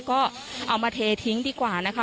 ก็เอามาเททิ้งดีกว่านะคะ